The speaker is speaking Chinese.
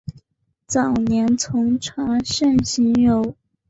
早年从查慎行游。